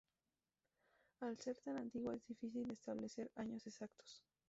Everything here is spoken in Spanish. Al ser tan antigua es difícil establecer años exactos.